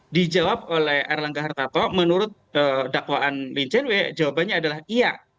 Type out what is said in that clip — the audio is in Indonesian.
dijawab oleh r langga hartarto menurut dakwaan lin cw jawabannya adalah iya